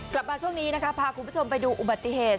กลับมาช่วงนี้นะคะพาคุณผู้ชมไปดูอุบัติเหตุ